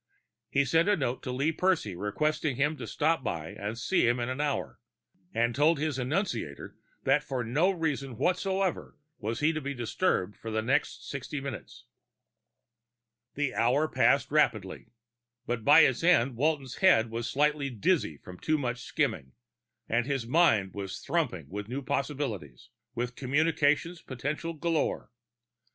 He sent a note to Lee Percy requesting him to stop by and see him in an hour, and told his annunciator that for no reason whatsoever was he to be disturbed for the next sixty minutes. The hour passed rapidly; by its end, Walton's head was slightly dizzy from too much skimming, but his mind was thrumming with new possibilities, with communications potentials galore.